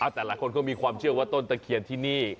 แต่หลายคนเขามีความเชื่อว่าต้นตะเคียนที่นี่